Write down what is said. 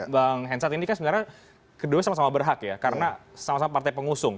bang hensat ini kan sebenarnya kedua sama sama berhak ya karena sama sama partai pengusung